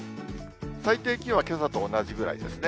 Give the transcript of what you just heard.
最低気温はけさと同じぐらいですね。